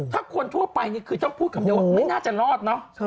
ถ้าคนทั่วไปนี่คือต้องพูดคำเดียวว่าไม่น่าจะรอดเนอะ